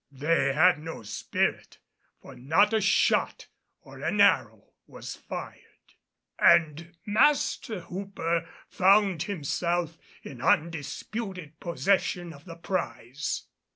They had no spirit, for not a shot or an arrow was fired, and Master Hooper found himself in undisputed possession of the prize.